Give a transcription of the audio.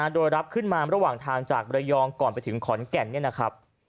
โดยรับขึ้นมาระหว่างทางจากระยองก่อนไปถึงขอนแก่นเนี่ยนะครับ